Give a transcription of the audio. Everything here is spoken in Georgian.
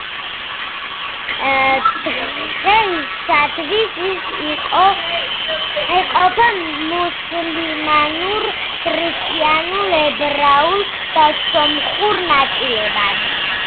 დღეისათვის, ის იყოფა მუსლიმანურ, ქრისტიანულ, ებრაულ და სომხურ ნაწილებად.